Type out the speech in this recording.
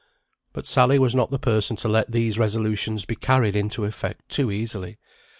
But Sally was not the person to let these resolutions be carried into effect too easily.